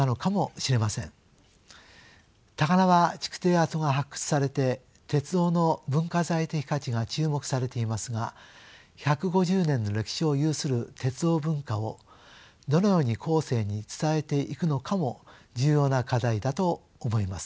高輪築堤跡が発掘されて鉄道の文化財的価値が注目されていますが１５０年の歴史を有する鉄道文化をどのように後世に伝えていくのかも重要な課題だと思います。